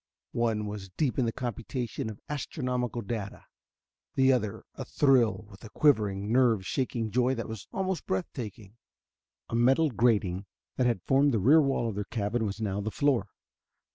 One was deep in the computation of astronomical data; the other athrill with a quivering, nerve shaking joy that was almost breath taking. A metal grating that had formed the rear wall of their cabin was now the floor.